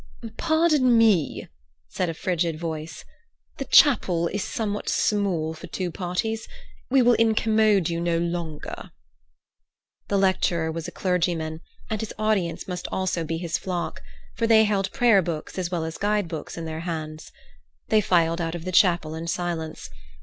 "Pardon me," said a frigid voice. "The chapel is somewhat small for two parties. We will incommode you no longer." The lecturer was a clergyman, and his audience must be also his flock, for they held prayer books as well as guide books in their hands. They filed out of the chapel in silence.